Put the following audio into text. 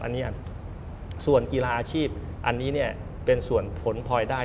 อันนี้ส่วนกีฬาอาชีพอันนี้เนี่ยเป็นส่วนผลพลอยได้